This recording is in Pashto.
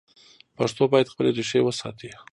پښتو باید خپلې ریښې وساتي.